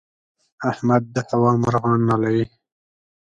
احمد د هوا مرغان نالوي.